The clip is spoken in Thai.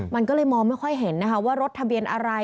มันก็เลยมองไม่ค่อยเห็นนะคะว่ารถทะเบียนอะไร